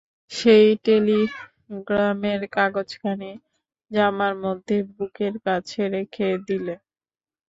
সেই টেলিগ্রামের কাগজখানি জামার মধ্যে বুকের কাছে রেখে দিলে।